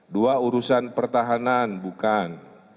dua urusan pertahanan bukan